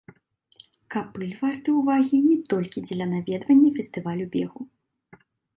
Капыль варты ўвагі не толькі дзеля наведвання фестывалю бегу.